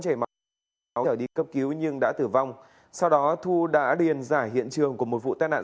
chảy máu thả đi cấp cứu nhưng đã tử vong sau đó thu đã điền giải hiện trường của một vụ tai nạn